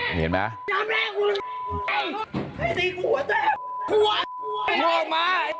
เห็นไหม